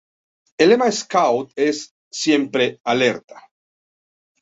El lema scout es "Sempre Alerta!".